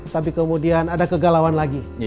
tapi kemudian ada kegalauan lagi